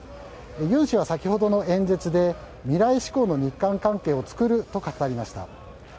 ユン氏は先ほどの演説で二大志向の日韓関係を作ると語りました。